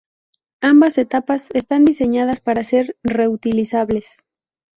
Ambas etapas están diseñadas para ser reutilizables.